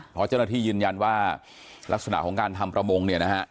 เพราะเจ้าหน้าที่ยืนยันว่าลักษณะของการทำประมงเนี่ยนะฮะ